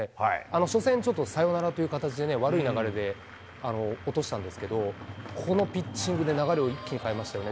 初戦、サヨナラという形で悪い流れで落としたんですがこのピッチングで流れを一気に変えましたね。